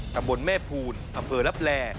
กระบวนแม่ภูลอำเภอลับแหล